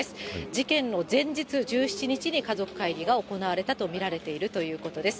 事件の前日１７日に、家族会議が行われたと見られているということです。